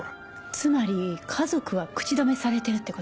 つまり家族は口止めされてるってこと？